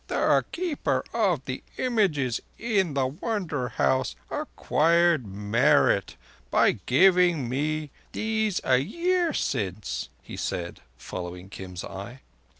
"The Keeper of the Images in the Wonder House acquired merit by giving me these a year since," he said, following Kim's eye.